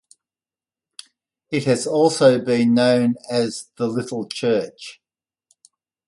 It has also been known as The Little Church.